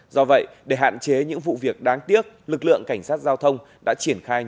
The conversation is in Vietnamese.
do vậy để hạn chế những vụ việc đáng tiếc lực lượng cảnh sát giao thông đã triển khai